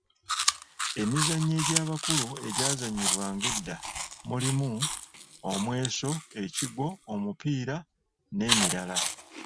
Emizannyo egy’abakulu egyazannyibwanga edda mulimu: omweso, ekigwo, omupiira n'emirala.